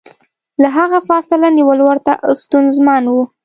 له هغه فاصله نیول ورته ستونزمن و.